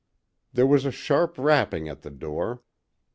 There was a sharp rapping at the door.